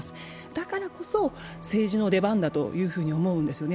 だからこそ政治の出番だと思うんですね。